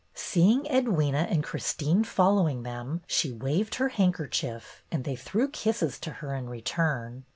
Seeing Edwyna and Christine following them, she waved her hand kerchief, and they threw kisses to her in return.